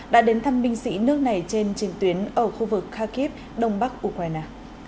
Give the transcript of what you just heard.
đã đến thăm binh sĩ nước này trên trình tuyến ở khu vực khakip đông bắc ukraine